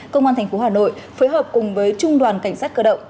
công an thành phố hà nội phối hợp cùng với trung đoàn cảnh sát cơ động